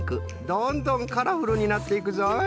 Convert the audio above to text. どんどんカラフルになっていくぞい。